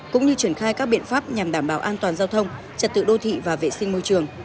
cũng như triển khai các biện pháp nhằm đảm bảo an toàn giao thông trật tự đô thị và vệ sinh môi trường